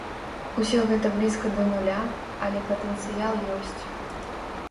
Усё гэта блізка да нуля, але патэнцыял ёсць.